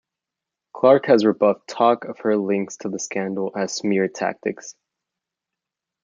Clark has rebuffed talk of her links to the scandal as "smear tactics".